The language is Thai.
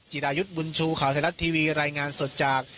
จิรายุทธ์บุญชูข่าวไทยรัฐทีวีรายงานสดจาก